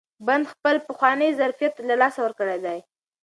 بند خپل پخوانی ظرفیت له لاسه ورکړی دی.